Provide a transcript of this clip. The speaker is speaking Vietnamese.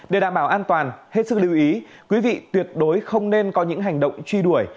để đảm bảo an toàn hết sức lưu ý quý vị tuyệt đối không nên có những hành động truy đuổi